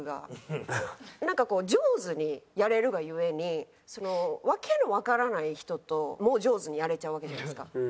なんか上手にやれるがゆえにその訳のわからない人とも上手にやれちゃうわけじゃないですか。